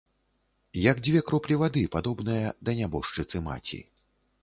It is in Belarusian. Як дзве кроплі вады падобная да нябожчыцы маці.